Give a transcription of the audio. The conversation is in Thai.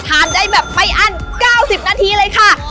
ทานได้แบบไม่อั้น๙๐นาทีเลยค่ะ